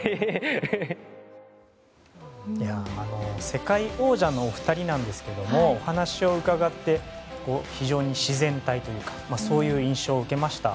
世界王者のお２人なんですけどお話を伺って非常に自然体というかそういう印象を受けました。